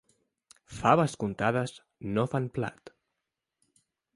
Faves comptades no fan plat.